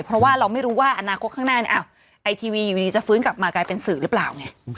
เพราะว่าเราไม่รู้ว่าอนาคตข้างหน้าไอทีวีอยู่ดีจะฟื้นกลับมากลายเป็นสื่อหรือเปล่าไง